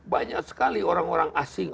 banyak sekali orang orang asing